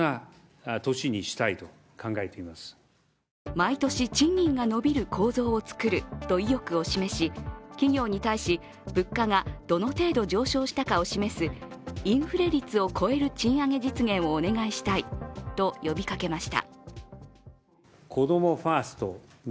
毎年賃金が伸びる構造を作ると意欲を示し企業に対し物価がどの程度上昇したかを示すインフレ率を超える賃上げ実現をお願いしたいと呼びかけました。